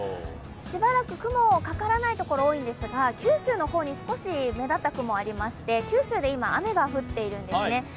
しばらく雲、かからないところが多いんですが九州の方に少し目立った雲ありまして九州で今、雨が降っているんですね